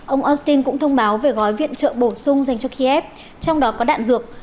ông austin cũng thông báo về gói viện trợ bổ sung dành cho kiev trong đó có đạn dược